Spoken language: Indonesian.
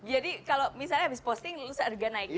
jadi kalau misalnya habis posting lu seharga naik gitu ya